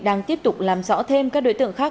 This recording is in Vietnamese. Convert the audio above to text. đang tiếp tục làm rõ thêm các đối tượng khác